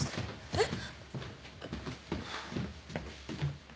えっ。